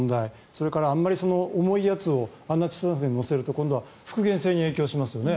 それから重いやつをあの小さなやつに載せると今度は復原性に影響しますよね。